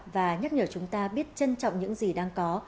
và nhắc nhở chúng ta biết trân trọng những gì đang có